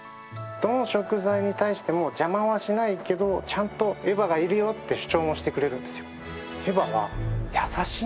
どの食材に対しても邪魔はしないけどちゃんとゆばがいるよって主張もしてくれるんですよ。